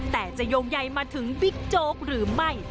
แต่จะโยงใยมาถึงบิ๊กโจ๊กหรือไม่